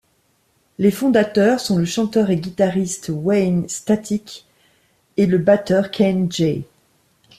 Les fondateurs sont le chanteur et guitariste Wayne Static et le batteur Ken Jay.